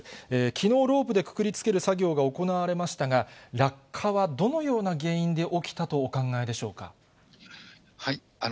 きのうロープでくくりつける作業が行われましたが、落下はどのような原因で起きたとお考えでしょうか。